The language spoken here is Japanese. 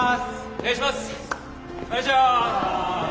お願いします！